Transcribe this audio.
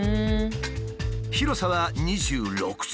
広さは２６坪。